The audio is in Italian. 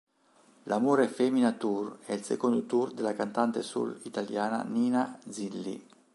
L'amore è femmina Tour è il secondo tour della cantante soul italiana Nina Zilli.